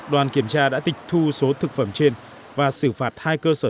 đoàn kiểm tra đã tịch thu số thực phẩm trên và xử phạt hai cơ sở